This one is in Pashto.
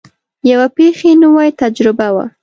یوه بېخي نوې تجربه وه.